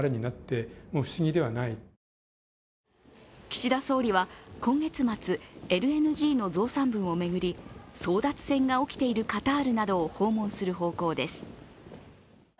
岸田総理は今月末、ＬＮＧの増産分を巡り争奪戦が起きているカタールなどを訪問する方向です。